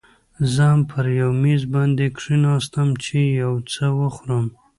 زه هم پر یو میز باندې کښېناستم، چې یو څه وخورم.